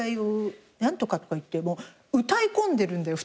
「何とか」とか言って歌い込んでるんだよ